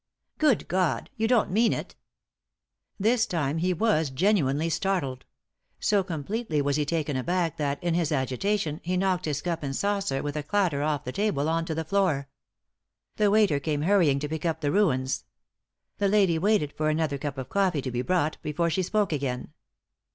" Good God 1 You don't mean it I" This time he was genuinely startled. So completely was he taken aback that, in his agitation, he knocked his cup and saucer with a clatter off the table on to the floor. The waiter came hurrying to pick up the ruins. The lady waited for another cup of coffee to be brought before she spoke again.